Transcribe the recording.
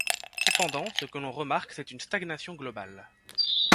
Cependant, ce que l'on remarque c'est une stagnation globale.